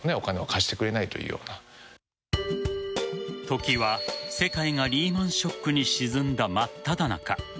時は世界がリーマンショックに沈んだまっただ中。